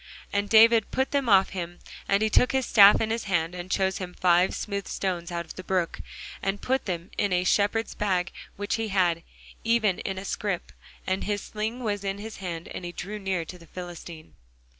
And David put them off him. And he took his staff in his hand, and chose him five smooth stones out of the brook, and put them in a shepherd's bag which he had, even in a scrip; and his sling was in his hand: and he drew near to the Philistine.